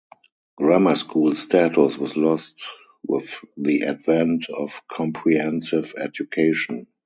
Grammar school status was lost with the advent of comprehensive education.